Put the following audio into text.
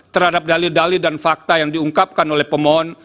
terhadap dalil dali dan fakta yang diungkapkan oleh pemohon